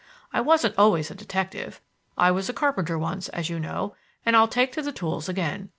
I wasn't always a detective. I was a carpenter once, as you know, and I'll take to the tools again.